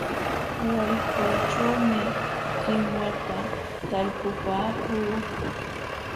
Wayqućhuumi kinwata talpupaakuu.